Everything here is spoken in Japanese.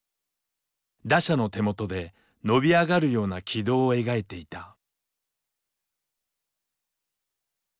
打者の手元で伸び上がるような軌道を描いていた。